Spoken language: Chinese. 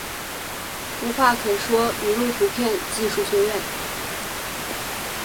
无话可说语录图片技术学院